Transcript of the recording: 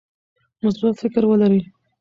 مثبت فکر ولرئ.